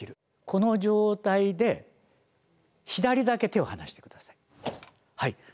この状態で左だけ手を離して下さい。